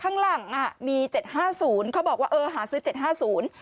ข้างหลังอ่ะมีเจ็ดห้าศูนย์เขาบอกว่าเออหาซื้อเจ็ดห้าศูนย์